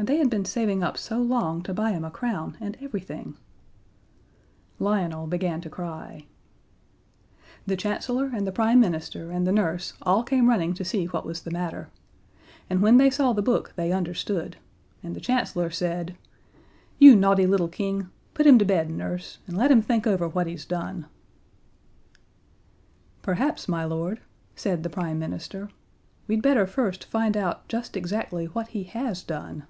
And they had been saving up so long to buy him a crown, and everything! Lionel began to cry. [Illustration: "The dragon flew away across the garden." See page 8.] The Chancellor and the Prime Minister and the Nurse all came running to see what was the matter. And when they saw the book they understood, and the Chancellor said: "You naughty little King! Put him to bed, Nurse, and let him think over what he's done." "Perhaps, my Lord," said the Prime Minister, "we'd better first find out just exactly what he has done."